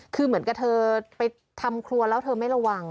คือเหมือนกับเธอไปทำครัวแล้วเธอไม่ระวัง